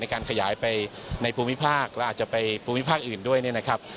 การขยายไปในภูมิภาคและอาจจะไปภูมิภาคอื่นด้วยเนี่ยนะครับ